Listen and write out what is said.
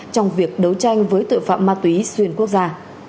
trong việc đấu tranh với tội phạm ma túy xuyên quốc gia